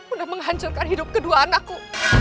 udah menghancurkan hidup kedua anakku